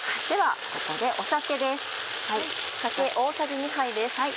ではここで酒です。